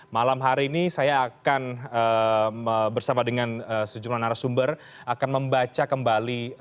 malam hari ini saya akan bersama dengan sejumlah narasumber akan membaca kembali